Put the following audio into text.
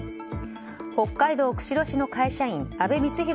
北海道釧路市の会社員阿部光浩